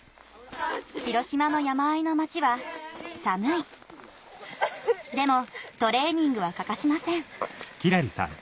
広島の山あいの町は寒いでもトレーニングは欠かしません・アハハハハ！